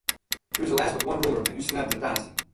He was the last but one ruler of the Husainid dynasty.